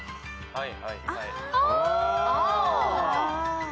はい。